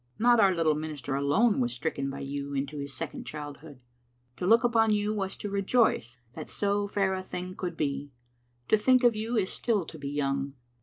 Not our little minister alone was stricken by you into his second childhood. To look upon you was to rejoice that so fair a thing could be ; to think of you is still to be young.